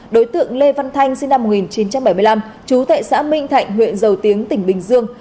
đối tượng lê văn thanh sinh năm một nghìn chín trăm bảy mươi năm trú tại xã minh thạnh huyện dầu tiếng tỉnh bình dương